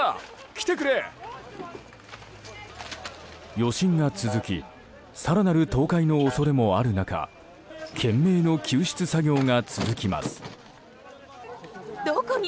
余震が続き更なる倒壊の恐れもある中懸命の救出作業が続きます。